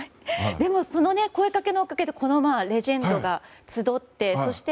でもその声掛けのおかげでレジェンドが集って。